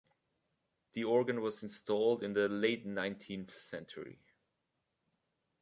The organ was installed in the late nineteenth century.